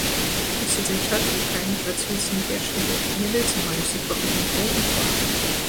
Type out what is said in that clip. Усе дзяўчаты ў краме працуюць не першы год, ведаюць амаль усіх пакупнікоў у твар.